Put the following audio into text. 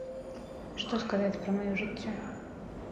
Што сказаць пра маё жыццё?